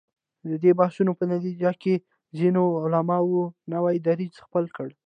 د دې بحثونو په نتیجه کې ځینو علماوو نوی دریځ خپل کړ.